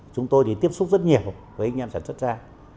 chúng tôi thì tiếp xúc rất nhiều với anh em sản xuất ra